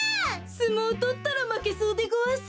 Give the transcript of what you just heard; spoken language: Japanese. すもうとったらまけそうでごわす。